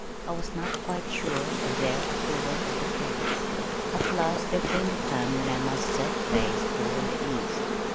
I was not quite sure of their approval of the case. At last there came the time when I must set my face toward the east.